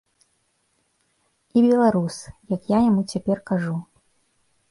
І беларус, як я яму цяпер кажу.